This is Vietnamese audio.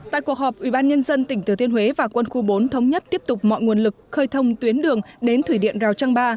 tại cuộc họp ubnd tỉnh thừa thiên huế và quân khu bốn thống nhất tiếp tục mọi nguồn lực khơi thông tuyến đường đến thủy điện rào trăng ba